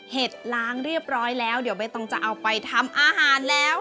ล้างเรียบร้อยแล้วเดี๋ยวใบตองจะเอาไปทำอาหารแล้ว